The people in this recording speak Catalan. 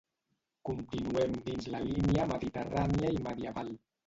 Continuem dins la línia mediterrània i medieval